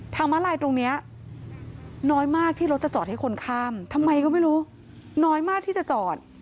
มาลายตรงนี้น้อยมากที่รถจะจอดให้คนข้ามทำไมก็ไม่รู้น้อยมากที่จะจอด